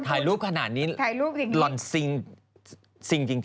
ถ่ายรูปขนาดนี้ลอนซิงจริง